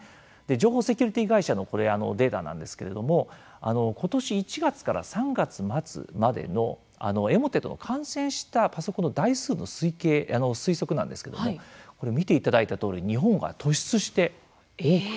情報セキュリティー会社のデータなんですけれどもことし１月から３月末までのエモテットの感染したパソコンの台数の推計推測なんですけれどもこれ見ていただいたとおり日本が突出して多く。